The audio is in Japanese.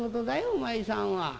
お前さんは。